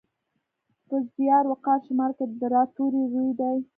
په زیار، وقار، شمار کې د راء توری روي دی.